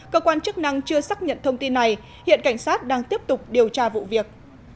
cơ quan chức năng chưa xác nhận thông tin này hiện cảnh sát đang tiếp tục điều tra vụ việc